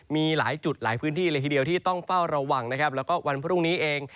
มีหลายจุดหลายพื้นที่เลยทีเดียวที่ต้องเฝ้าระวังนะครับแล้วก็วันพรุ่งนี้เอง